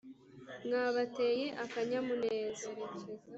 mwabateye akanyamuneza